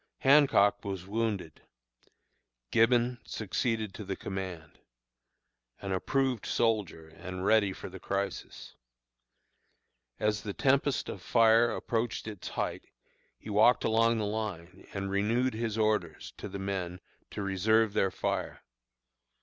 "Hancock was wounded; Gibbon succeeded to the command an approved soldier, and ready for the crisis. As the tempest of fire approached its height, he walked along the line, and renewed his orders to the men to reserve their fire.